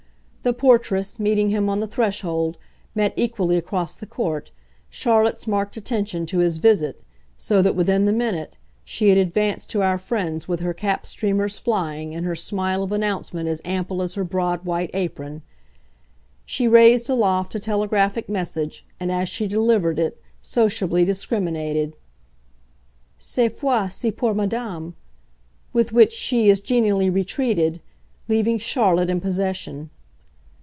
The portress, meeting him on the threshold, met equally, across the court, Charlotte's marked attention to his visit, so that, within the minute, she had advanced to our friends with her cap streamers flying and her smile of announcement as ample as her broad white apron. She raised aloft a telegraphic message and, as she delivered it, sociably discriminated. "Cette fois ci pour madame!" with which she as genially retreated, leaving Charlotte in possession.